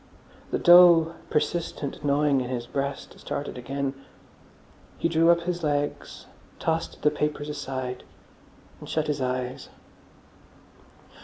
The dull, persistent gnawing in his breast started again. He drew up his legs, tossed the papers aside, and shut his eyes.